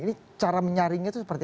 ini cara menyaringnya itu seperti